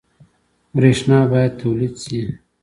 برښنا باید تولید شي